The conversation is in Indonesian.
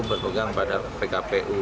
kpu berpegang pada pkpu